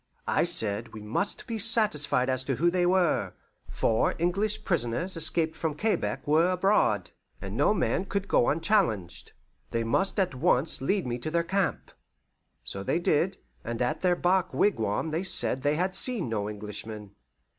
I said we must be satisfied as to who they were, for English prisoners escaped from Quebec were abroad, and no man could go unchallenged. They must at once lead me to their camp. So they did, and at their bark wigwam they said they had seen no Englishman.